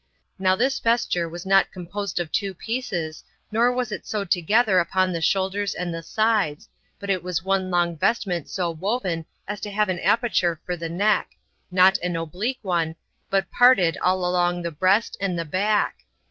Now this vesture was not composed of two pieces, nor was it sewed together upon the shoulders and the sides, but it was one long vestment so woven as to have an aperture for the neck; not an oblique one, but parted all along the breast and the back.